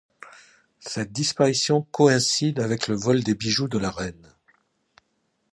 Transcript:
Cette disparition coïncide avec le vol des bijoux de la Reine.